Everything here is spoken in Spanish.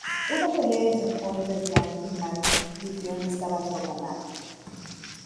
Una pelea entre Joey Beltrán y Matt Mitrione estaba programada.